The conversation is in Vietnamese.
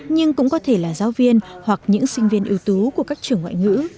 nhưng cũng có thể là giáo viên hoặc những sinh viên ưu tú của các trường ngoại ngữ